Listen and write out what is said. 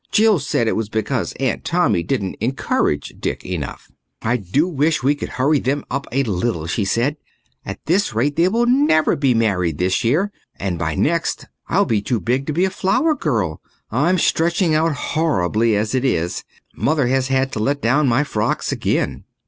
Jill said it was because Aunt Tommy didn't encourage Dick enough. "I do wish we could hurry them up a little," she said. "At this rate they will never be married this year and by next I'll be too big to be a flower girl. I'm stretching out horribly as it is. Mother has had to let down my frocks again."